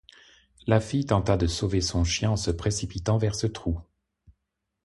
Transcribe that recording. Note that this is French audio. La fille tenta de sauver son chien en se précipitant vers ce trou.